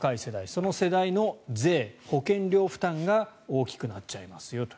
その世代の税、保険料負担が大きくなっちゃいますよと。